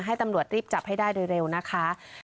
ให้ตำรวจรีบจับให้ได้โดยเร็วนะคะ